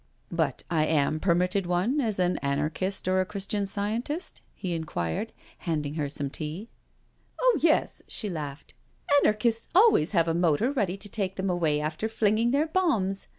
" But I am permitted one as an Anarchist or a Christian Scientist? "he inquired, handing her some tea. " Oh yes," she laughed. " Anarchists always have a motor ready to take them away after flinging their bombs.